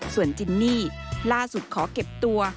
ส่วนจินนี่ล่าสุดขอเก็บตัว